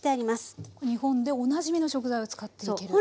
日本でおなじみの食材を使っていける。